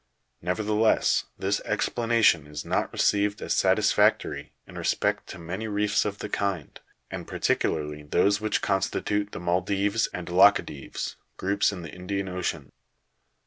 Nevertheless, this explanation is not re ceived as satisfactory in respect to many reefs of the kind, and particularly those which constitute the Maldives and Lakadives, groups in the Indian Ocean.